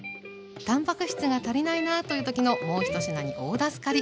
たんぱく質が足りないなという時のもう一品に大助かり。